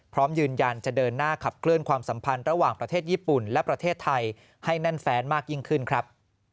พร้อมยืนยันจะเดินหน้าขับเคลื่อนความสัมพันธ์ระหว่างประเทศญี่ปุ่นและประเทศไทยให้แน่นแฟนมากยิ่งขึ้นครับ